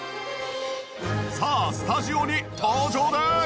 さあスタジオに登場です！